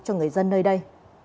cho người dân nơi đây